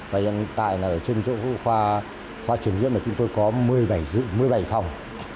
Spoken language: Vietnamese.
và hiện tại là ở trên chỗ khoa truyền nhiễm là chúng tôi có một mươi bảy dự một mươi bảy phòng